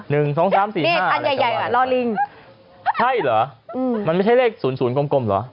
๑๒๓๔๕มนี่อันใหญ่อ่ะรอลิงใช่เหรอมันไม่ใช่เลข๐๐กมเหรอ